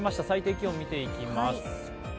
最低気温見ていきます。